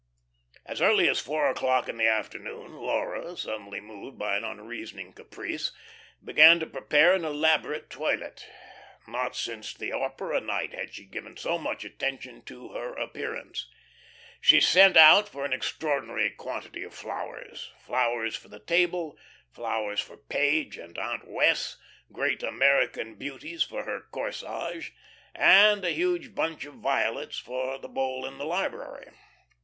As early as four o'clock in the afternoon Laura, suddenly moved by an unreasoning caprice, began to prepare an elaborate toilet. Not since the opera night had she given so much attention to her appearance. She sent out for an extraordinary quantity of flowers; flowers for the table, flowers for Page and Aunt Wess', great "American beauties" for her corsage, and a huge bunch of violets for the bowl in the library.